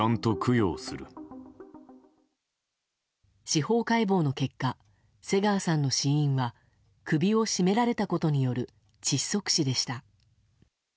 司法解剖の結果瀬川さんの死因は首を絞められたことによる窒息死でした。